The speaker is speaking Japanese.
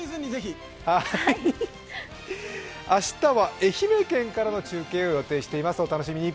明日は愛媛県からの中継を予定しています、お楽しみに。